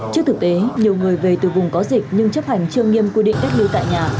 trước thực tế nhiều người về từ vùng có dịch nhưng chấp hành chưa nghiêm quy định cách ly tại nhà